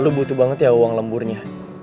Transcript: lu butuh banget ya uang lemburnya